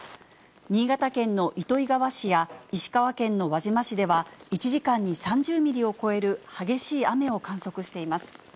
新潟県の糸魚川市や、石川県の輪島市では、１時間に３０ミリを超える激しい雨を観測しています。